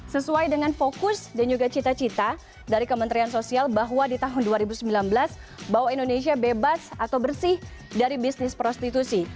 sesuai dengan fokus dan juga cita cita dari kementerian sosial bahwa di tahun dua ribu sembilan belas bahwa indonesia bebas atau bersih dari bisnis prostitusi